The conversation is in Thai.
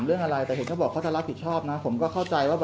อยู่ในชื่อที่เอามาแจ้งความใช่ไหม